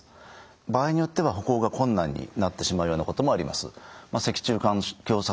場合によっては歩行が困難になってしまうようなこともあります。